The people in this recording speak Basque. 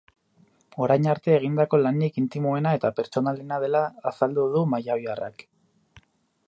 Orain arte egindako lanik intimoena eta pertsonalena dela azaldu du mallabiarrak.